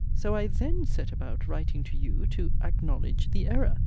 So I 'then' set about writing to you, to 'acknowledge' the 'error.'